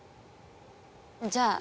じゃあ＃